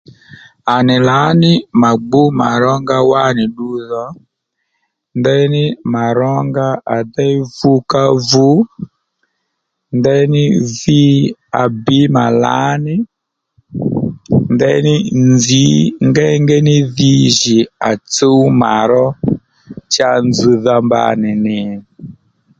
À nì lǎní mà gbú màrónga wá nì ddu dho ndéyní màrónga à déy vukavu ndèyní vi à bǐ mà lǎní ndeyní nzǐ ngeyngéy ní dhi djì à tsǔw mà ró cha nzz̀dha mba nì nì